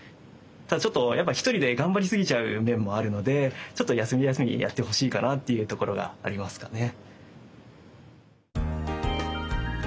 ただちょっとやっぱ一人で頑張りすぎちゃう面もあるのでちょっと休み休みやってほしいかなっていうところがありますかね。